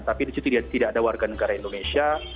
tapi di situ tidak ada warga negara indonesia